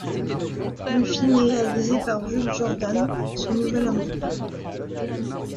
Le film est réalisé par Jules Jordan, son nouvel amant.